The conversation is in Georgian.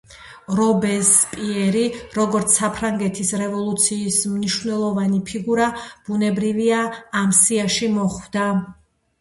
რობესპიერი, როგორც საფრანგეთის რევოლუციის მნიშვნელოვანი ფიგურა, ბუნებრივია ამ სიაში მოხვდა.